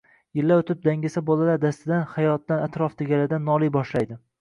yillar o‘tib dangasa bolalar dastidan, hayotdan, atrofdagilardan noliy boshlaydi.